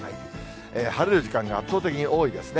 晴れる時間が圧倒的に多いですね。